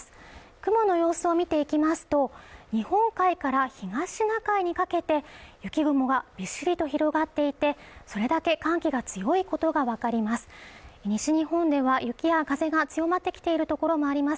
雲の様子を見ていきますと日本海から東シナ海にかけて雪雲がびっしりと広がっていてそれだけ寒気が強いことが分かります